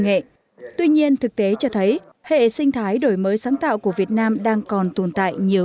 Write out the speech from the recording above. nghệ tuy nhiên thực tế cho thấy hệ sinh thái đổi mới sáng tạo của việt nam đang còn tồn tại nhiều